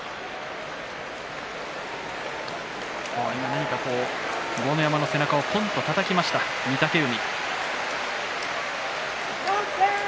何か豪ノ山の背中をぽんとたたきました、御嶽海。